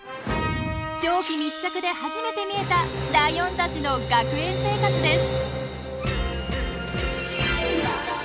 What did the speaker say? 長期密着で初めて見えたライオンたちの学園生活です。